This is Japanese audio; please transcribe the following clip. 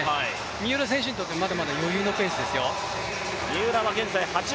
三浦選手にとってまだまだ余裕のペースですよ。